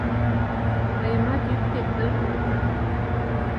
Мыйымат йӱктет дыр?